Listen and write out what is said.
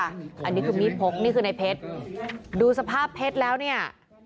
อันนี้คือมีดพกนี่คือในเพชรดูสภาพเพชรแล้วเนี่ย